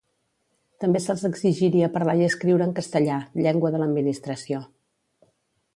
També se'ls exigiria parlar i escriure en castellà, llengua de l'administració.